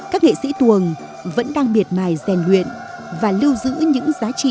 các nghệ sĩ tuồng vẫn đang biệt mài rèn luyện và lưu giữ những giá trị đặc biệt